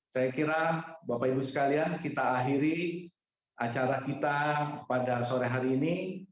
saya kira bapak ibu sekalian kita akhiri acara kita pada sore hari ini